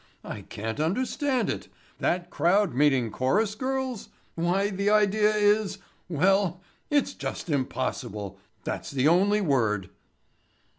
I can't understand it. That crowd meeting chorus girls? Why the idea is—well, it's just impossible. That's the only word!"